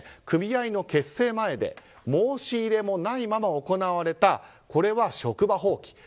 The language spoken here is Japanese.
組合の結成前で申し入れもないまま行われたこれは職場放棄。